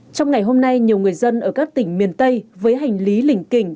trong ngày hôm nay nhiều người dân ở các tỉnh miền tây với hành lý lỉnh kình